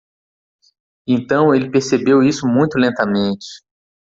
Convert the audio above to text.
E então ele percebeu isso muito lentamente.